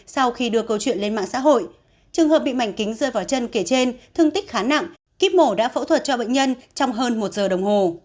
sau khi đưa câu chuyện lên mạng xã hội trường hợp bị mảnh kính rơi vào chân kể trên thương tích khá nặng kíp mổ đã phẫu thuật cho bệnh nhân trong hơn một giờ đồng hồ